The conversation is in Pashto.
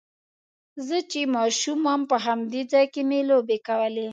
زه چې ماشوم وم په همدې ځای کې مې لوبې کولې.